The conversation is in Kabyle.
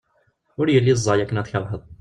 Ur yelli ẓẓay akken ad tkerheḍ.